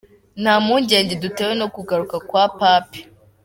"Nta mpungenge dutewe no kugaruka kwa Pape.